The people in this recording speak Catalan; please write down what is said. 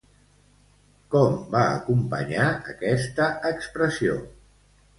Com va acompanyar aquesta expressió?